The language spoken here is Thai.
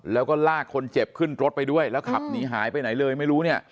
แล้วก็ลากคนเจ็บขึ้นรถไปด้วยแล้วขับหนีหายไปไหนเลยไม่รู้เนี่ย